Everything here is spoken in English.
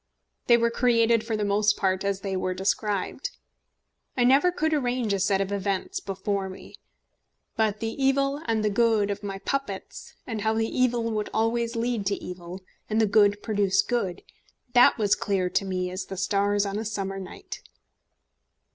They were created for the most part as they were described. I never could arrange a set of events before me. But the evil and the good of my puppets, and how the evil would always lead to evil, and the good produce good, that was clear to me as the stars on a summer night.